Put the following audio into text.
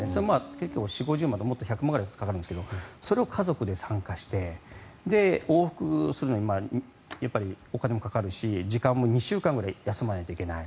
結構４０５０万とか１００万ぐらいかかるんですがそれを家族で参加して往復するのにお金もかかるし時間も２週間ぐらい休まないといけない。